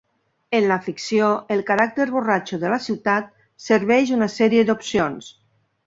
En la ficció, el caràcter borratxo de la ciutat serveix una sèrie de opcions.